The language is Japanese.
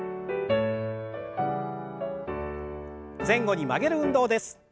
前後に曲げる運動です。